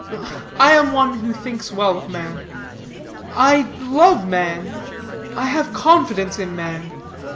I am one who thinks well of man. I love man. I have confidence in man.